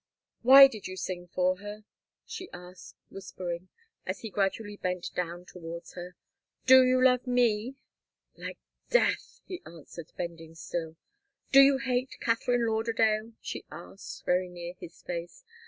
"Why did you sing for her?" she asked, whispering, as he gradually bent down towards her. "Do you love me?" "Like death," he answered, bending still. "Do you hate Katharine Lauderdale?" she asked, very near his face.